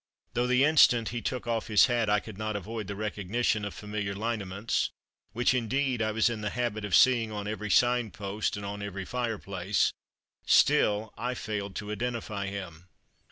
Though the instant he took off his hat I could not avoid the recognition of familiar lineaments which, indeed, I was in the habit of seeing on every sign post and on every fire place still I failed to identify him."